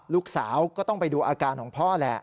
ลูกสาวก็ต้องไปดูอาการของพ่อแหละ